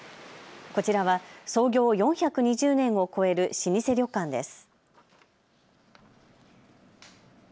こちらは創業４２０年を超える老舗旅館です。